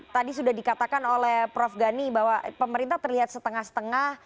tadi sudah dikatakan oleh prof gani bahwa pemerintah terlihat setengah setengah